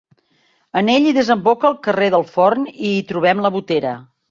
En ell hi desemboca el carrer del Forn i hi trobem La Botera.